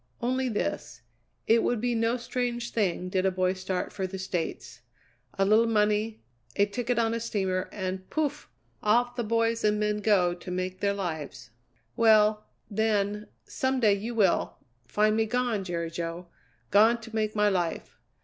"Only this: It would be no strange thing did a boy start for the States. A little money, a ticket on a steamer, and pouf! Off the boys and men go to make their lives. Well, then, some day you will find me gone, Jerry Jo. Gone to make my life.